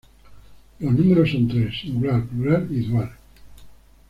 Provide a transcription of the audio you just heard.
Los números son tres: singular, plural y dual.